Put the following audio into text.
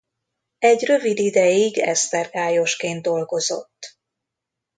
Egy rövid ideig esztergályosként dolgozott.